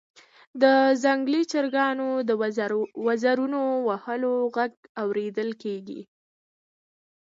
د ځنګلي چرګانو د وزرونو وهلو غږ اوریدل کیږي